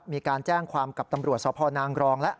มีการแจ้งความกับตำรวจสพนางกรองแล้ว